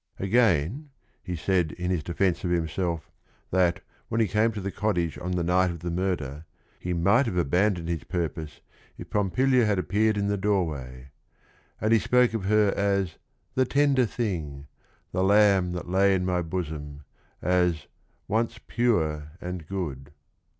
Again, he said in his defence of himself, that, when he came to the cottage on the night of the murder, he might have abandoned his purpose if Pompilia had appeared in the doorway; and he spoke of her as " the tender thing," " the lamb that lay in my bosom," as "once pure and good."